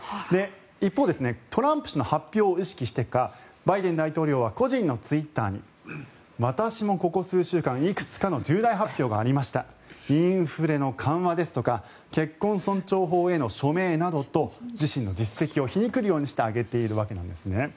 一方、トランプ氏の発表を意識してかバイデン大統領は個人のツイッターに私もここ数週間いくつかの重大発表がありましたインフレの緩和ですとか結婚尊重法への署名などと自身の実績を皮肉るようにして挙げているわけなんですね。